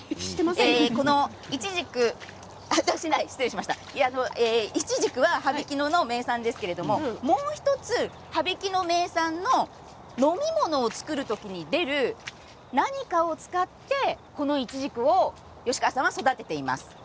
このイチジク羽曳野の名産ですけれどももう１つ羽曳野名産の飲み物を作る時に出る何かを使ってこのイチジクを吉川さんは育てています。